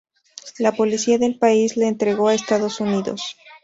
La policía del país lo entregó a Estados Unidos.